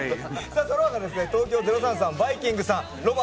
その他東京０３さん、バイきんぐさん